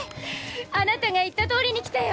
あなたが言ったとおりに来たよ！